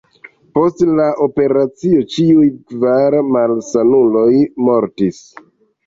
Post la operacio ĉiuj kvar malsanuloj mortis.